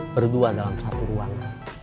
berdua dalam satu ruangan